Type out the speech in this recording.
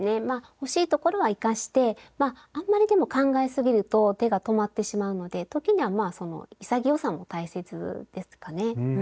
欲しいところは生かしてまああんまりでも考えすぎると手が止まってしまうので時にはまあ潔さも大切ですかね。